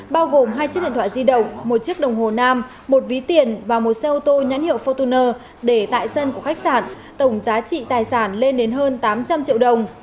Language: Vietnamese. bao gồm hai chiếc điện thoại di động một chiếc đồng hồ nam một ví tiền và một xe ô tô nhãn hiệu fortuner để tại sân của khách sạn tổng giá trị tài sản lên đến hơn tám trăm linh triệu đồng